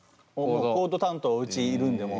コード担当うちいるんでもう。